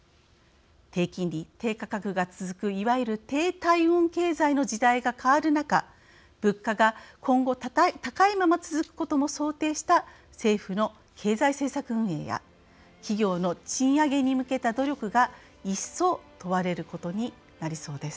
低金利・低価格が続くいわゆる低体温経済の時代が変わる中、物価が今後高いまま続くことも想定した政府の経済政策運営や企業の賃上げに向けた努力が一層問われることになりそうです。